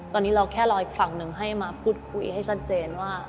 ตอนนี้เราแค่รออีกฝั่งหนึ่งให้มาพูดคุยให้ชัดเจนว่า